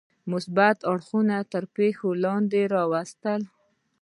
مثبت اړخونه تر پوښتنې لاندې راوستل.